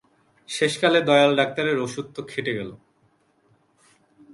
শেষকালে দয়াল ডাক্তারের ওষুধ তো খেটে গেল।